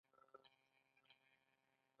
سراج العمارت ماڼۍ په کوم ښار کې ده؟